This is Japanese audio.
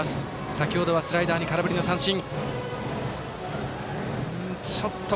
先ほどはスライダーに空振りの三振。